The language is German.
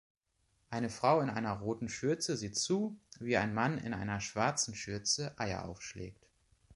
Eine Frau in einer roten Schürze sieht zu, wie ein Mann in einer schwarzen Schürze Eier aufschlägt.